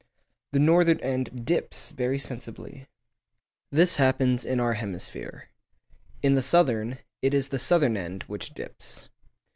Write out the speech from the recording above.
The northern end dips very sensibly. This happens in our hemisphere. In the southern, it is the southern end which dips.